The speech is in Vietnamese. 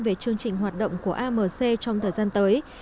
về chương trình hoạt động của amc trong thời gian tới